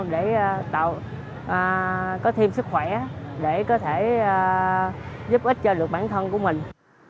để có thêm sức khỏe để có thể giúp ích cho được bản thân của mình